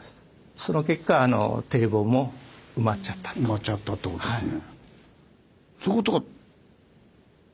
埋まっちゃったってことですね。